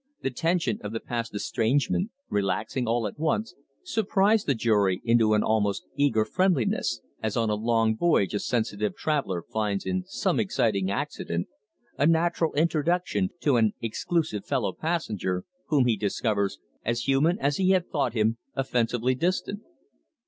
The tension of the past estrangement, relaxing all at once, surprised the jury into an almost eager friendliness, as on a long voyage a sensitive traveller finds in some exciting accident a natural introduction to an exclusive fellow passenger, whom he discovers as human as he had thought him offensively distant.